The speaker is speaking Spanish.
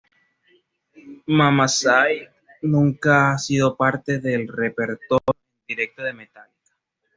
Mama Said nunca ha sido parte del repertorio en directo de Metallica.